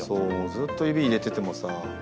ずっと指入れててもさ。